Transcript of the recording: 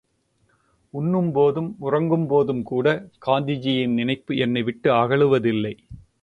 உண்ணும்போதும், உறங்கும்போதும்கூட காந்திஜியின் நினைப்பு என்னை விட்டு அகலுவதில்லை.